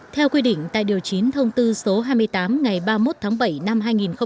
theo quy định tại điều chín thông tư số hai mươi tám ngày ba mươi một tháng bảy năm hai nghìn một mươi